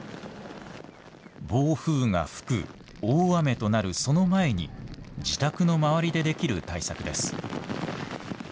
暴風が吹く、大雨となるその前に自宅の周りでできる対策です。